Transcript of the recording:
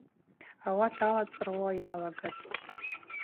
Ауат алацӏыруа йалагатӏ.